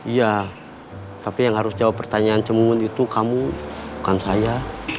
iya tapi yang harus jawab pertanyaan cemungun itu kamu bukan saya